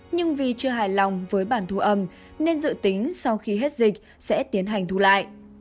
nhưng vì chưa hài lòng với bản thu âm nên dự tính sau khi hết dịch sẽ tiến hành thu lại